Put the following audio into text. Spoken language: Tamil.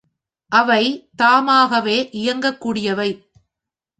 அவை தாமாகவே இயங்கக் கூடியவை.